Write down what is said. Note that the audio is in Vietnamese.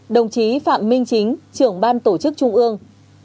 đồng chí phạm minh chính trưởng ban tổ chức trung ương